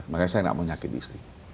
makanya saya tidak mau nyakit istri